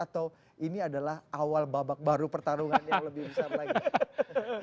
atau ini adalah awal babak baru pertarungan yang lebih besar lagi